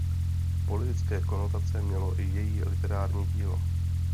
Politické konotace mělo i její literární dílo.